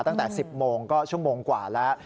ตั้งแต่๑๐โมงก็ชั่วโมงกว่าแล้ว